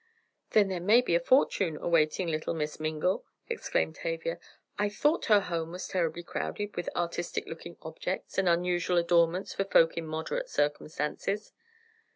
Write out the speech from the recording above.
"Then there may be a fortune awaiting little Miss Mingle," exclaimed Tavia. "I thought her home was terribly crowded with artistic looking objects and unusual adornments for folk in moderate circumstances."